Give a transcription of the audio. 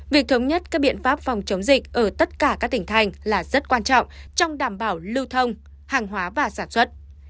việc thống nhất các biện pháp phòng chống dịch ở tất cả các tỉnh thành là rất quan trọng trong đảm bảo lưu thông hàng hóa và sản xuất